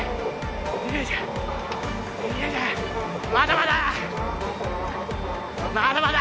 まだまだ。